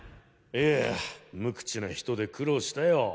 いやぁ無口な人で苦労したよ。